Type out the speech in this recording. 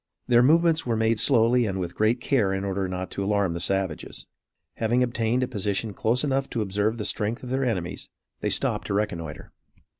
Their movements were made slowly and with great care in order not to alarm the savages. Having obtained a position close enough to observe the strength of their enemies, they stopped to reconnoitre.